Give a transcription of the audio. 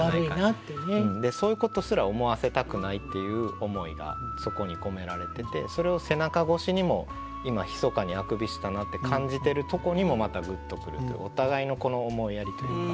そういうことすら思わせたくないっていう思いがそこに込められててそれを背中越しにも今ひそかにあくびしたなって感じてるとこにもまたグッとくるというお互いのこの思いやりというか。